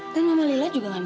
dan mama lila juga gak ngemarah